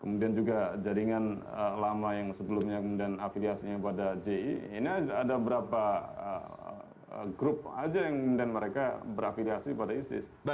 kemudian juga jaringan lama yang sebelumnya kemudian afiliasinya pada ji ini ada berapa grup aja yang kemudian mereka berafiliasi pada isis